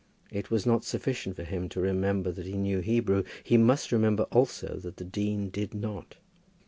It was not sufficient for him to remember that he knew Hebrew, but he must remember also that the dean did not.